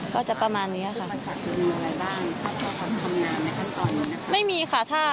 ก็จะประมาณนี้ค่ะ